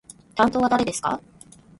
担当は誰ですか？